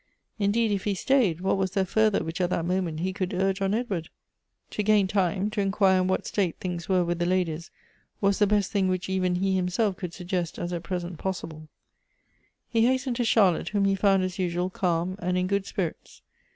Indeed, if he stayed, what was there further wliich at that moment he could urge on Edward ? To 150 Goethe's gain time, to inquire in what state things were with the ladies, was the best thing which even he himself could suggest as at present possible. He liastened to Charlotte, whom he found as usual, calm and in good spirits.